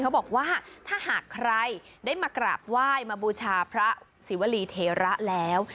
เขาบอกว่าถ้าหากใครได้มากราบไหว้มาบูชาพระศิวรีเทระแล้ว